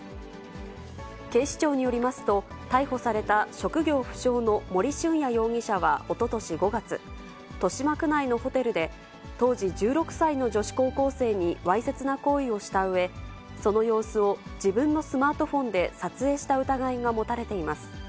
警視庁によりますと、逮捕された職業不詳の森俊也容疑者はおととし５月、豊島区内のホテルで、当時１６歳の女子高校生にわいせつな行為をしたうえ、その様子を自分のスマートフォンで撮影した疑いが持たれています。